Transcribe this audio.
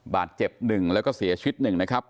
บาดเจ็บหนึ่งแล้วก็เสียชีทหนึ่งนะครับ